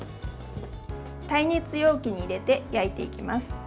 耐熱容器に入れて焼いていきます。